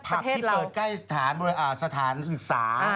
ที่เปิดใกล้สถานศึกษา